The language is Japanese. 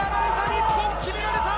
日本決められた。